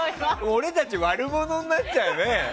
俺たち悪者になっちゃうね。